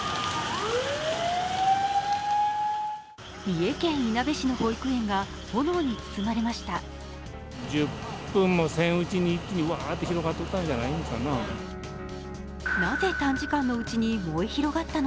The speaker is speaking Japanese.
三重県いなべ市の保育園が炎に包まれました。